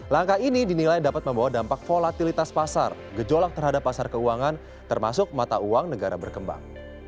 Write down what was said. langkah ini dinilai dapat membawa dampak volatilitas pasar gejolak terhadap pasar keuangan termasuk mata uang negara berkembang